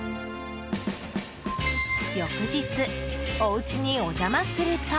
翌日、おうちにお邪魔すると。